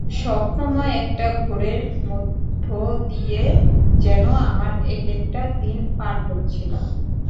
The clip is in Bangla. স্বপ্নময় একটা ঘোরের মধ্য দিয়ে যেন আমার একেকটা দিন পার হচ্ছিল।